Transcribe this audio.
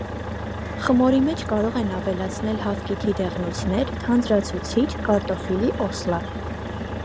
Խմորի մեջ կարող են ավելացնել հավկիթի դեղնուցներ, թանձրացուցիչ, կարտոֆիլի օսլա։